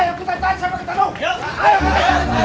ayo kita tahan sampai ketemu